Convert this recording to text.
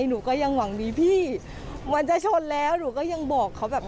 หนูก็ยังหวังดีพี่มันจะชนแล้วหนูก็ยังบอกเขาแบบ